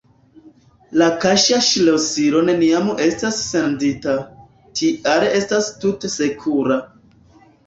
La kaŝa ŝlosilo neniam estas sendita, tial estas tute sekura.